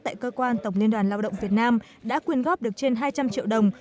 tại cơ quan tổng liên đoàn lao động việt nam đã quyên góp được trên hai trăm linh triệu đồng